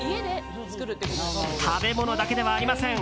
食べ物だけではありません。